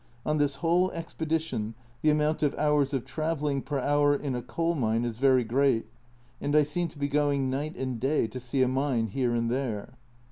On this whole expedition the amount of hours of travelling per hour in a coal mine is very great, and I seem to be going night and day to see a mine here and there.